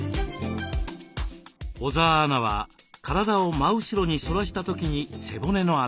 小澤アナは体を真後ろに反らした時に背骨の辺りに。